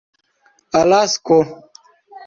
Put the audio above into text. alasko